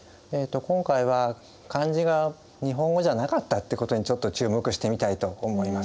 今回は漢字が日本語じゃなかったってことにちょっと注目してみたいと思います。